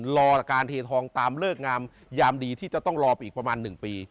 รอการเททองตามเลิกงามยามดีที่จะต้องรอไปอีกประมาณ๑ปี